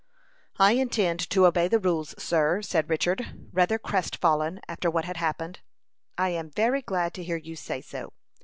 "I intend to obey the rules, sir," said Richard, rather crest fallen after what had happened. "I am very glad to hear you say so.